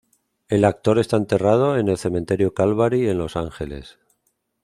El actor está enterrado en el cementerio Calvary en Los Ángeles.